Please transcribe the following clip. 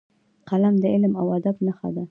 قلم د علم او ادب نښه ده